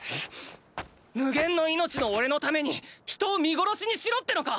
無限の命のおれのために人を見殺しにしろってのか！